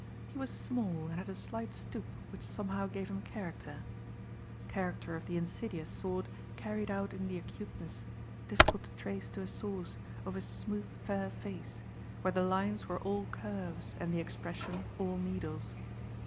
He was small and had a slight stoop which somehow gave him character character of the insidious sort carried out in the acuteness, difficult to trace to a source, of his smooth fair face, where the lines were all curves and the expression all needles.